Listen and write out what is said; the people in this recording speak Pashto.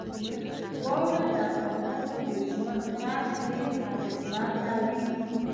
واوره د افغانانو د ژوند طرز ډېر اغېزمنوي.